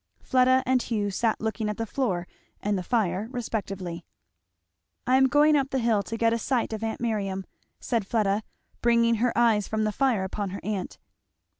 Fleda and Hugh sat looking at the floor and the fire respectively. "I am going up the hill to get a sight of aunt Miriam," said Fleda, bringing her eyes from the fire upon her aunt.